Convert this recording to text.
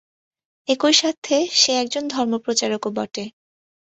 একই সাথে সে একজন ধর্মপ্রচারকও বটে।